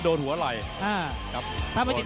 ตอนนี้มันถึง๓